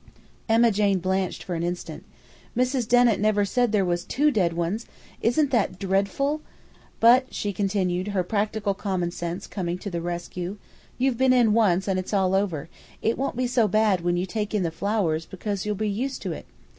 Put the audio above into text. Emma Jane blenched for an instant. "Mrs. Dennett never said THERE WAS TWO DEAD ONES! ISN'T THAT DREADFUL? But," she continued, her practical common sense coming to the rescue, "you've been in once and it's all over; it won't be so bad when you take in the flowers because you'll be used to it.